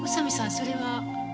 それは。